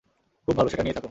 খুব ভালো, সেটা নিয়েই থাকো।